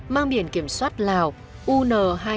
mang biển kiểm soát lào un hai nghìn sáu trăm bốn mươi năm